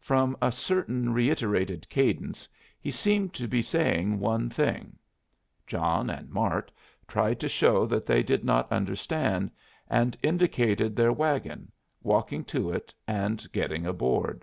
From a certain reiterated cadence, he seemed to be saying one thing. John and Mart tried to show they did not understand, and indicated their wagon, walking to it and getting aboard.